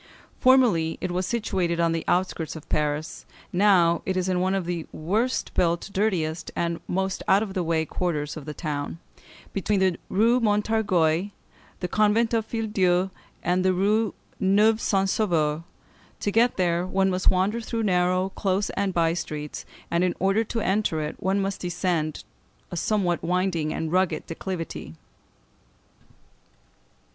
Formerly it was situated on the outskirts of Paris, now it is in one of the worst built, dirtiest, and most out of the way quarters of the town, between the Rue Montorgueil, the convent of the Filles Dieu, and the Rue Neuve Saint Sauveur. To get there one must wander through narrow, close, and by streets; and in order to enter it, one must descend a somewhat winding and rugged declivity.